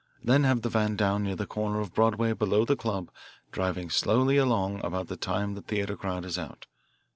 Then have the van down near the corner of Broadway below the club, driving slowly along about the time the theatre crowd is out.